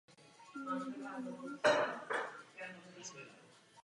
Mnoho z vás se ztotožňovalo s názorem Komise.